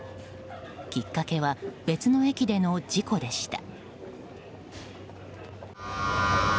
きっかけは別の駅での事故でした。